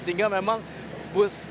sehingga memang bus